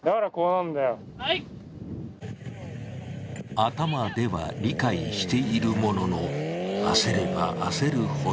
頭では理解しているものの焦れば焦るほど。